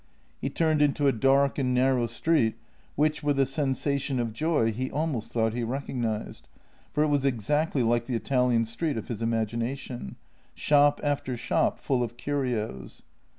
He turned into a dark and narrow street which, with a sensation of joy, he almost thought he recognized, for it was exactly like the Italian street of his imagination : shop after shop full of curios.